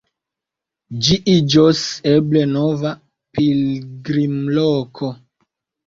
Ĝi iĝos eble nova pilgrimloko.